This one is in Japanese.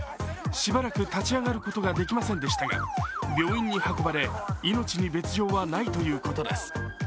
しばらく立ち上がることができませんでしたが病院に運ばれ、命に別状はないということです。